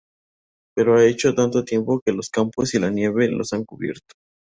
Pero ha pasado tanto tiempo que los campos y la nieve los han cubierto.